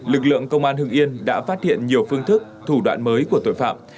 lực lượng công an hưng yên đã phát hiện nhiều phương thức thủ đoạn mới của tội phạm